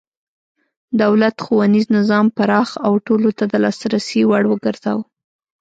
دولت ښوونیز نظام پراخ او ټولو ته د لاسرسي وړ وګرځاوه.